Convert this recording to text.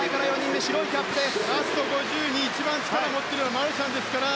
ラスト５０に一番力を持ってくるマルシャンですから。